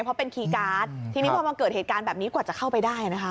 เพราะเป็นคีย์การ์ดทีนี้พอมาเกิดเหตุการณ์แบบนี้กว่าจะเข้าไปได้นะคะ